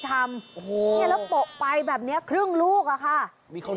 เนี่ยแล้วโปะไปแบบเนี่ยครึ่งลูกนะคะ